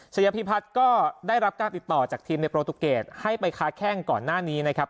ชายพิพัฒน์ก็ได้รับการติดต่อจากทีมในโปรตูเกตให้ไปค้าแข้งก่อนหน้านี้นะครับ